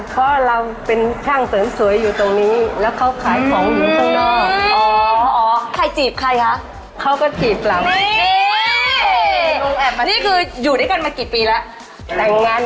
เพราะเราเป็นช่างเสริมสวยอยู่ตรงนี้แล้วเขาขายของอยู่ข้างนอก